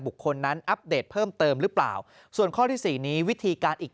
บุคคลนั้นอัปเดตเพิ่มเติมหรือเปล่าส่วนข้อที่สี่นี้วิธีการอีก